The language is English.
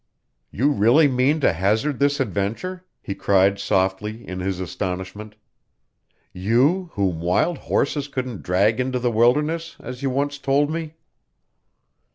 "You really mean to hazard this adventure?" he cried, softly, in his astonishment. "You, whom wild horses couldn't drag into the wilderness, as you once told me!"